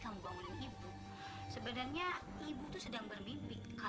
sampai jumpa di video selanjutnya